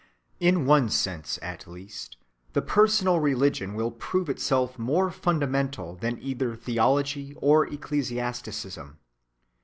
In one sense at least the personal religion will prove itself more fundamental than either theology or ecclesiasticism.